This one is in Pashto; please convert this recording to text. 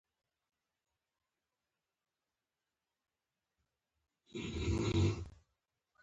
دوی ته پښتو زده کړئ